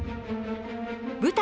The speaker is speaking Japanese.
舞台